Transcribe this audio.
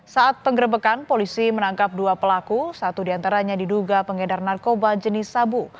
saat penggerbekan polisi menangkap dua pelaku satu diantaranya diduga pengedar narkoba jenis sabu